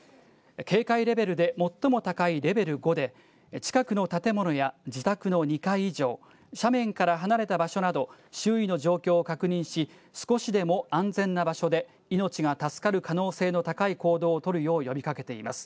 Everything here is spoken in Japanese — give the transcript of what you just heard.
警戒レベルで最も高いレベル５で、近くの建物や、自宅の２階以上、斜面から離れた場所など周囲の状況を確認し、少しでも安全な場所で命が助かる可能性の高い行動を取るよう呼びかけています。